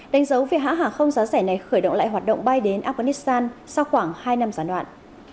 đánh dấu việc hãng hãng không giá rẻ này khởi động lại hoạt động bay đến afghanistan sau khoảng hai năm giả noạn